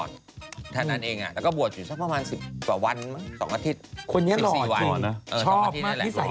ยืดอกสมมุมใจมิกมี่อะไรเหรอคุมใจ